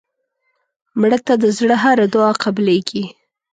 مړه ته د زړه هره دعا قبلیږي